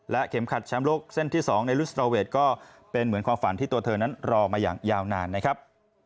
เข็มขัดแชมป์โลกเส้นที่๒ในรุสตราเวทก็เป็นเหมือนความฝันที่ตัวเธอนั้นรอมาอย่างยาวนานนะครับ